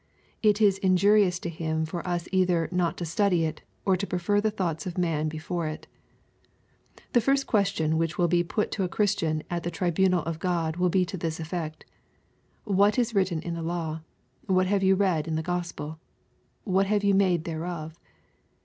It is injurious to him for us either not to study it, or to pre fer the thoughts of man before it The first question which will be put to a Christian at the tribunal of God will be to this effect^ \* What is written in the law? What have you read in the GJospel? r What use have you made thereof?'